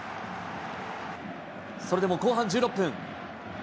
それでも後半１６分。